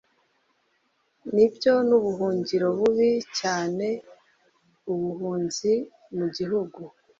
Nibyo nubuhungiro bubi cyane ubuhunzi mugihugu